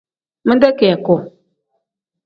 Minde kiyaku.